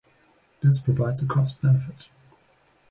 This provides a cost benefit.